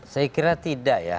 saya kira tidak